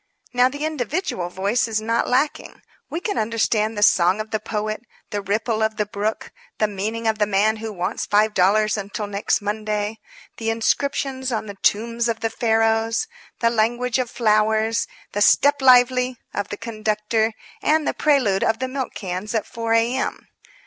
Now, the individual voice is not lacking. We can understand the song of the poet, the ripple of the brook, the meaning of the man who wants $5 until next Monday, the inscriptions on the tombs of the Pharaohs, the language of flowers, the "step lively" of the conductor, and the prelude of the milk cans at 4 A. M.